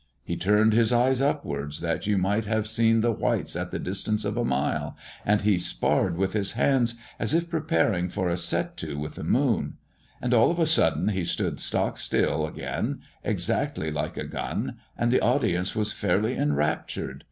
He turned his eyes upwards, that you might have seen the whites at the distance of a mile; and he sparred with his hands, as if preparing for a set to with the moon; and all of a sudden he stood stock still again, exactly like a gun, and the audience was fairly enraptured!